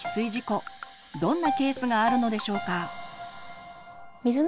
どんなケースがあるのでしょうか？